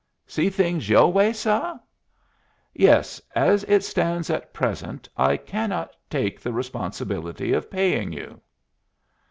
"See things yoh way, suh?" "Yes. As it stands at present I cannot take the responsibility of paying you."